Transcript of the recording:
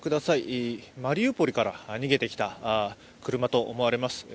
マリウポリから逃げてきた車と思われます。